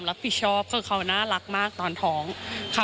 อ่าเดี๋ยวฟองดูนะครับไม่เคยพูดนะครับ